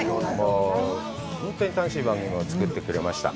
本当に楽しい番組を作ってくれました。